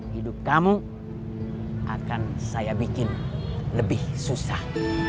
hidup kamu akan saya bikin lebih susah